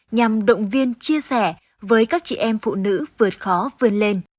nhằm động viên chia sẻ với các chị em phụ nữ vượt khó vươn lên